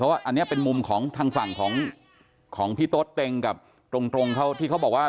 ว่าอันนี้เป็นมุมของทางฝั่งของพี่โต๊ดเต็งกับตรงเขาที่เขาบอกว่า